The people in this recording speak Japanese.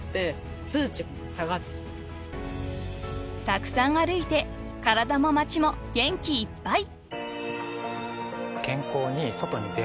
［たくさん歩いて体も町も元気いっぱい］